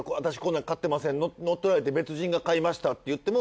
なん買ってません乗っ取られて別人が買いましたって言っても。